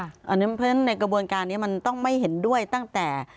เพราะฉะนั้นในกระบวนการนี้มันต้องไม่เห็นด้วยตั้งแต่